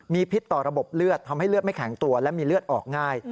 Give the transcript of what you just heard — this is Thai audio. มีพิษต่อระบบเลือดทำให้เลือดไม่แข็งตัวและมีเลือดออกง่าย